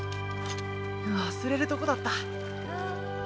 忘れるとこだった。